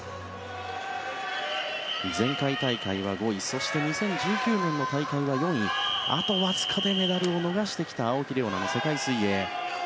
前回大会は５位２０１９年の大会は４位あとわずかでメダルを逃してきた青木玲緒樹の世界水泳。